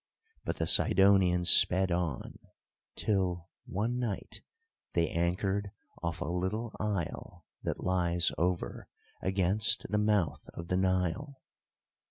But the Sidonians sped on till, one night, they anchored off a little isle that lies over against the mouth of the Nile.